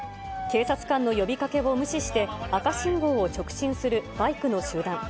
警察官の呼びかけを無視して、赤信号を直進するバイクの集団。